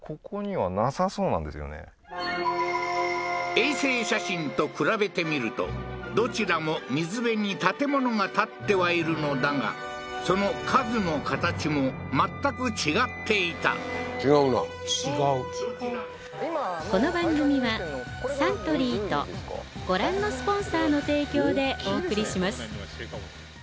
衛星写真と比べてみるとどちらも水辺に建物が建ってはいるのだがその数も形も全く違っていた違うな違うやっぱアツアツの鍋からのキンキンのスん？